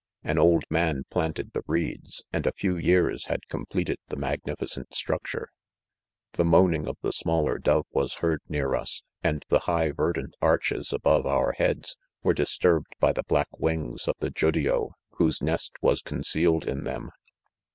An old man planted 'the 'reeds, and, a few years had completed the magnificent structure. The moaning of the smaller dove was. heard near us, and the jhigh verdant arches above our heads, were disturbed by the black v/ings of the Judio, whose ne^t was concealed in them.